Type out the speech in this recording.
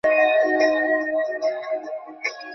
যেটা তোমাকে অনেক আগেই বলা উচিত ছিলো।